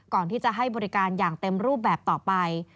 ก่อนที่จะให้บริการอย่างเต็มรูปแบบต่อไป